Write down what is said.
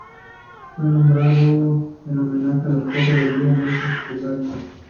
Fue nombrado en homenaje a la esposa de Lenin, Nadezhda Krúpskaya.